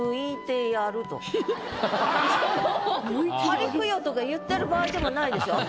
「針供養」とか言ってる場合でもないでしょ。